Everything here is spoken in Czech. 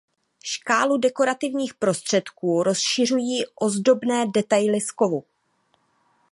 Škálu dekorativních prostředků rozšiřují ozdobné detaily z kovu.